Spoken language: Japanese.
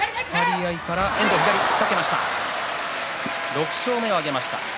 ６勝目を挙げました、遠藤。